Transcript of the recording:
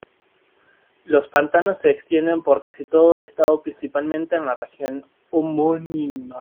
Los pantanos se extienden por casi todo el estado, principalmente en la región homónima.